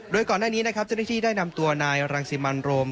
โดยก่อนหน้านี้นะครับเจ้าหน้าที่ได้นำตัวนายรังสิมันโรม